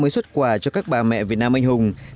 bốn mươi xuất quà cho các bà mẹ việt nam anh hùng